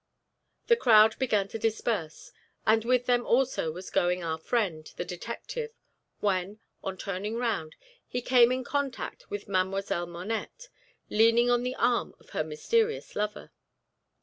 The crowd began to disperse, and with them also was going our friend, the detective, when, on turning round, he came in contact with Mlle. Monette, leaning on the arm of her mysterious lover.